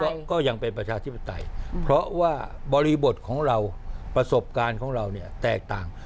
เพราะก็ยังเป็นประชาธิปไตยเพราะว่าบริบทของเราประสบการณ์ของเราเนี่ยแตกต่าง